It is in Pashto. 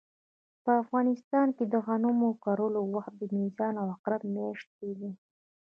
په افغانستان کې د غنمو کرلو وخت د میزان او عقرب مياشتې دي